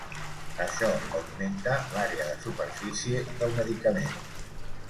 Això augmenta l"àrea de superfície del medicament.